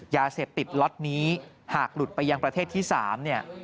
ยาเสพติดล็อตนี้หากหลุดไปยังประเทศที่๓เนี่ย